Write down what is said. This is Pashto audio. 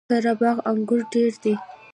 قره باغ انګور ډیر دي؟